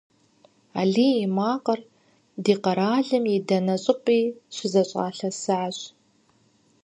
Алим и макъыр ди къэралым и дэнэ щӀыпӀи щызэлъащӀэсащ.